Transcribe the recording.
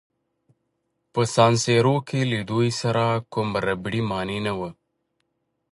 په سان سیرو کې له دوی سره کوم ربړي مانع نه وو.